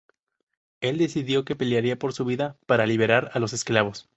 Él decidió que pelearía por su vida para liberar a los esclavos.